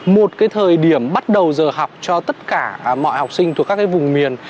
một cái thời điểm bắt đầu giờ học cho tất cả mọi học sinh thuộc các vùng miền